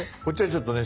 ちょっとね